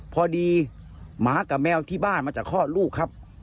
พอดีหมากับแมวที่บ้านมันจะคลอดลูกครับ